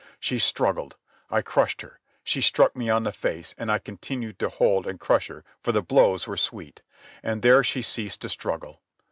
She struggled. I crushed her. She struck me on the face, and I continued to hold and crush her, for the blows were sweet. And there she ceased to struggle.